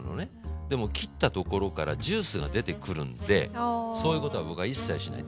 でも切ったところからジュースが出てくるんでそういうことは僕は一切しない。